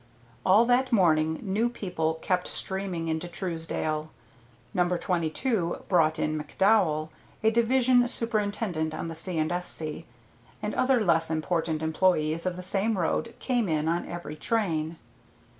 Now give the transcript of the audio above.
All that morning new people kept streaming into Truesdale. No. 22 brought in McDowell, a division superintendent on the C. & S.C. and other less important employees of the same road came in on every train.